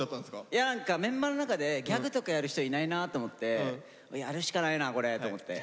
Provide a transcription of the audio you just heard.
いや何かメンバーの中でギャグとかやる人いないなと思ってやるしかないなこれと思って。